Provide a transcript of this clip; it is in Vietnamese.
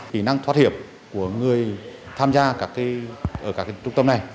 kỹ năng thoát hiểm của người tham gia ở các trung tâm này